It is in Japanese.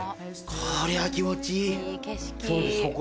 これは気持ちいい。